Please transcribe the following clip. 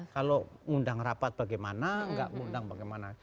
kalau undang rapat bagaimana gak undang bagaimana